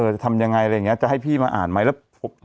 จะทำยังไงอะไรอย่างนี้จะให้พี่มาอ่านไหมแล้ว